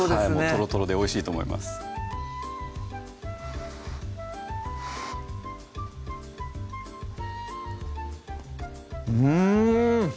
とろとろでおいしいと思いますうん！